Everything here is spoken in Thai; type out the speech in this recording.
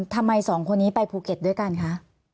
ทำไมสองคนนี้ไปภูเก็ตด้วยกันคะ